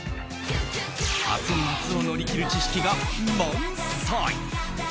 暑い夏を乗り切る知識が満載。